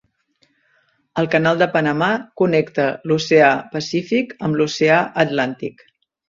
El Canal de Panamà connecta l'Oceà Pacífic amb l'Oceà Atlàntic.